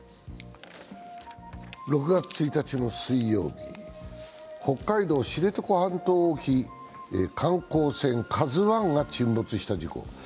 ６月１日の水曜日、北海道知床半島沖で観光船「ＫＡＺＵⅠ」が沈没した事故。